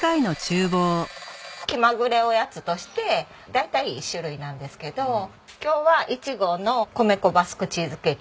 気まぐれおやつとして大体１種類なんですけど今日はイチゴの米粉バスクチーズケーキを。